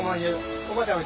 おばあちゃん